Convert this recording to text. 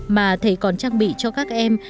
mà thầy còn trang bị cho các em